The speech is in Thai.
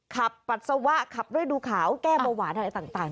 ปัสสาวะขับฤดูขาวแก้เบาหวานอะไรต่าง